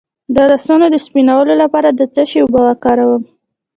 د لاسونو د سپینولو لپاره د څه شي اوبه وکاروم؟